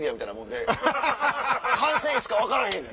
完成いつか分からへんねん。